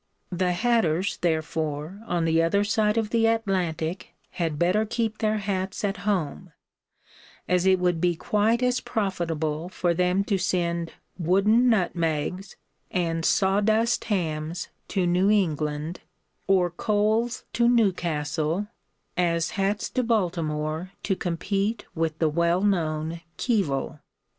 The hatters, therefore, on the other side of the Atlantic had better keep their hats at home, as it would be quite as profitable for them to send 'wooden nutmegs' and 'sawdust hams' to New England, or coals to Newcastle, as hats to Baltimore to compete with the well known Keevil."